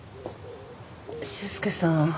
修介さん。